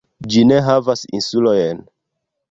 Ĝi ne havas insulojn.